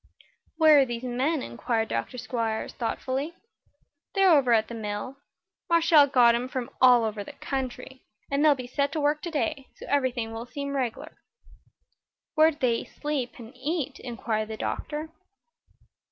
"Where are these men?" inquired Dr. Squiers, thoughtfully. "They're over at the mill. Marshall got 'em from all over the country, and they'll be set to work today, so everything will seem reg'lar." "Where do they sleep and eat?" inquired the doctor.